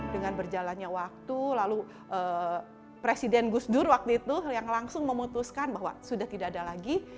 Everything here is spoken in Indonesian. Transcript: dengan berjalannya waktu lalu presiden gus dur waktu itu yang langsung memutuskan bahwa sudah tidak ada lagi